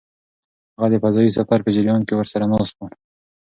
هغه د فضايي سفر په جریان کې ورسره ناست و.